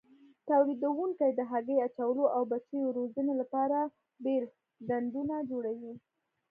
تولیدوونکي د هګۍ اچولو او بچیو روزنې لپاره بېل ډنډونه جوړوي.